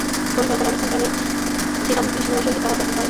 কলিকাতায় অবস্থানকালে একবার শ্রীরামকৃষ্ণের সহিত তাঁহার দেখা হয়।